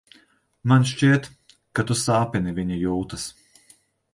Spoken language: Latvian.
Man šķiet, ka tu sāpini viņa jūtas.